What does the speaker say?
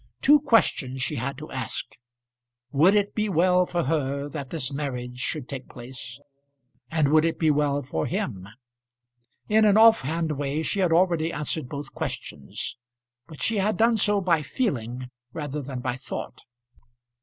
Two questions she had to ask. Would it be well for her that this marriage should take place? and would it be well for him? In an off hand way she had already answered both questions; but she had done so by feeling rather than by thought.